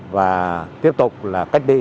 và tiếp tục là cách đi